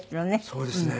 そうですね。